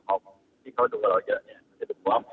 ค็ามพอจะดูในเรื่องวัดละทับ